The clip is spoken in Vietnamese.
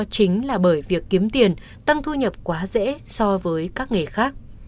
chính là bởi việc kiếm tiền tăng thu nhập quá dễ so với các nghề khác